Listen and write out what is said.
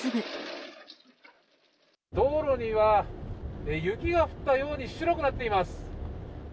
道路には雪が降ったように白くなっています。